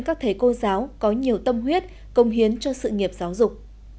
các thầy cô giáo có nhiều tâm huyết công hiến cho sự nghiệp giáo dục